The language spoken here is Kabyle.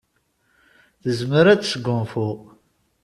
Tezmer ad tesgunfu.